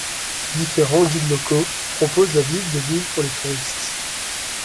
Différents guides locaux proposent la visite de l'île pour les touristes.